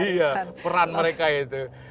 iya peran mereka itu